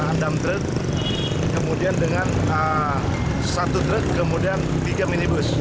yang pertama kementaraan dam truk kemudian dengan satu truk kemudian tiga minibus